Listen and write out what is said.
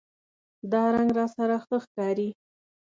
دا رنګ راسره ښه ښکاری